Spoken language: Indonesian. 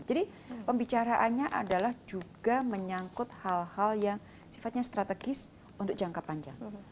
jadi pembicaraannya adalah juga menyangkut hal hal yang sifatnya strategis untuk jangka panjang